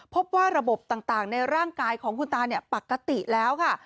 พบว่าระบบต่างในร่างกายของคุณตาปกติแล้วค่ะ